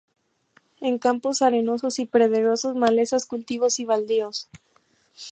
En campos arenosos y pedregosos, malezas, cultivos y baldíos.